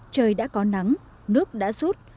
trời đã có nắng nước đã rút